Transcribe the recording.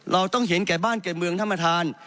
เราต้องเห็นแก่บ้านแก่เมืองธรรมฐาน